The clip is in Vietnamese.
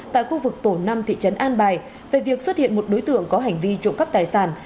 tại khu vực tổ năm thị trấn an bài về việc xuất hiện một đối tượng có hành vi trộm cắp tài sản